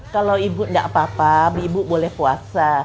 kalau ibu nggak apa apa ibu boleh puasa